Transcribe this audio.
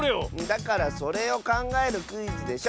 だからそれをかんがえるクイズでしょ。